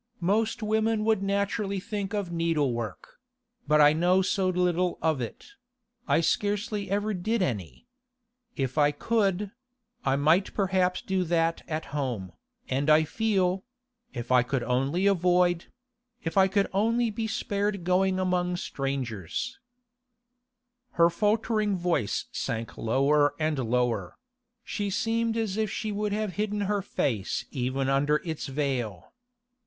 'Most women would naturally think of needlework; but I know so little of it; I scarcely ever did any. If I could—I might perhaps do that at home, and I feel—if I could only avoid—if I could only be spared going among strangers—' Her faltering voice sank lower and lower; she seemed as if she would have hidden her face even under its veil.